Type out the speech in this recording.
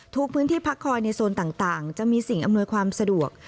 พื้นที่พักคอยในโซนต่างจะมีสิ่งอำนวยความสะดวก